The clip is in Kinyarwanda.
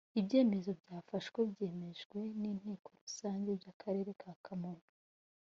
ibyemezo byafashwe byemejwe n’ inteko rusange y’akarere ka kamonyi